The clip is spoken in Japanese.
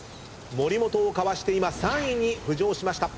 森本をかわして今３位に浮上しました。